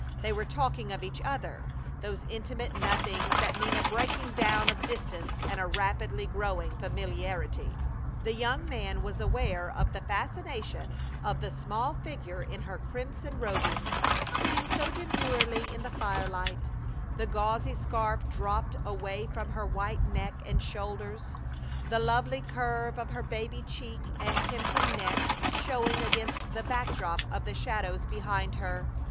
They were talking of each other, those intimate nothings that mean a breaking down of distance and a rapidly growing familiarity. The young man was aware of the fascination of the small figure in her crimson robings, sitting so demurely in the firelight, the gauzy scarf dropped away from her white neck and shoulders, the lovely curve of her baby cheek and tempting neck showing against the background of the shadows behind her.